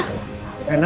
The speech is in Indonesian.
rena gak ada